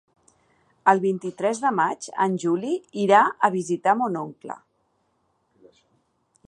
El vint-i-tres de maig en Juli irà a visitar mon oncle.